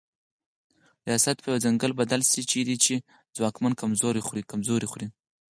ریاست په یو ځنګل بدل سي چیري چي ځواکمن کمزوري خوري